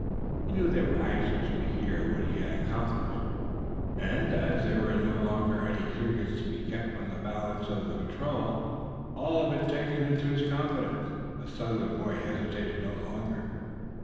He knew they were anxious to hear what he had accomplished; and, as there were no longer any secrets to be kept from the balance of the patrol, all having been taken into his confidence, the Southern boy hesitated no longer.